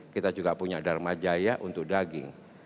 kita juga punya dharma jaya untuk daging